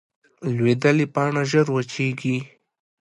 لوېدلې پاڼه ژر وچېږي